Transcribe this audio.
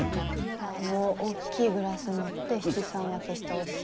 あの大っきいグラス持って七三分けしたおじさんが。